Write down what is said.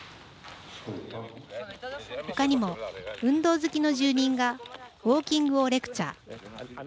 他にも運動好きの住人がウォーキングをレクチャー。